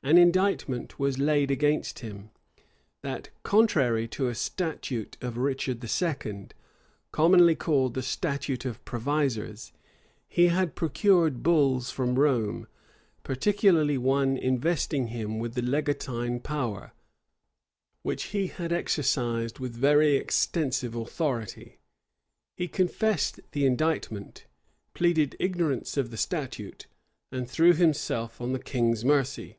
An indictment was laid against him, that, contrary to a statute of Richard II., commonly called the statute of provisors, he had procured bulls from Rome, particularly one investing him with the legatine power, which he had exercised with very extensive authority. He confessed the indictment, pleaded ignorance of the statute, and threw himself on the king's mercy.